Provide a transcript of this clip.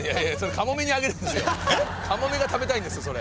カモメが食べたいんですそれ。